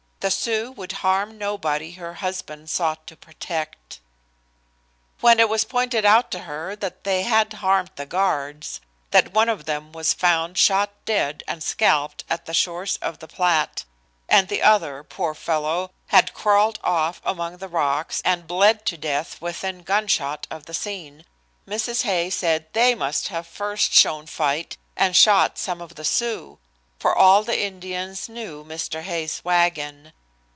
The Sioux would harm nobody her husband sought to protect. When it was pointed out to her that they had harmed the guards, that one of them was found shot dead and scalped at the shores of the Platte, and the other, poor fellow, had crawled off among the rocks and bled to death within gunshot of the scene, Mrs. Hay said they must have first shown fight and shot some of the Sioux, for all the Indians knew Mr. Hay's wagon.